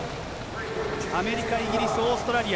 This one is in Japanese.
アメリカ、イギリス、オーストラリア。